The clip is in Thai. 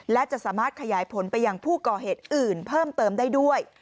และจะสามารถขยายผลไปยังผู้ก่อเหตุอื่นเพิ่มเติมได้ด้วย